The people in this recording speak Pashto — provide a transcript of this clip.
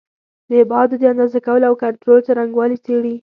د ابعادو د اندازه کولو او کنټرول څرنګوالي څېړي.